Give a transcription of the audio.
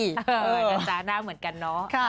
กระจานหน้าเหมือนกันน้อ